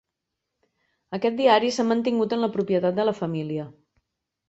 Aquest diari s'ha mantingut en la propietat de la família.